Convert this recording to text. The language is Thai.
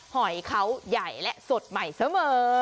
หอยเขาใหญ่และสดใหม่เสมอ